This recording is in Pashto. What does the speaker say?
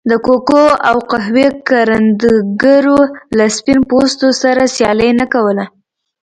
د کوکو او قهوې کروندګرو له سپین پوستو سره سیالي نه کوله.